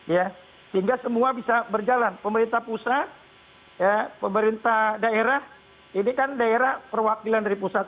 ya sehingga semua bisa berjalan pemerintah pusat pemerintah daerah ini kan daerah perwakilan dari pusat